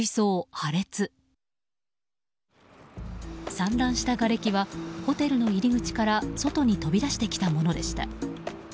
散乱したがれきはホテルの入り口から外に飛び出してきたものでした。